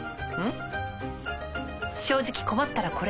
正直困ったらこれ。